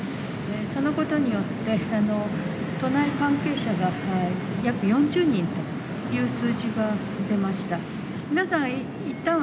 そのことによって、都内関係者が約４０人という数字が出ました。